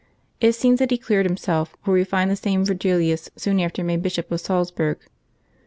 It seems that he cleared himself; for we find this same Virgilius soon after made Bishop of Salzburg.